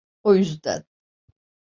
O yüzden...